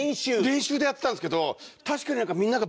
練習でやってたんですけど。